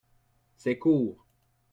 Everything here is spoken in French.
C’est court